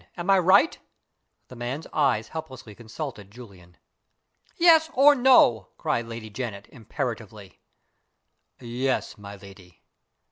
Am I right?" The man's eyes helplessly consulted Julian. "Yes, or no?" cried Lady Janet, imperatively. "Yes, my lady."